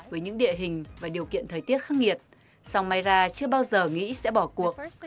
với những địa hình và điều kiện thời tiết khắc nghiệt song mayra chưa bao giờ nghĩ sẽ bỏ cuộc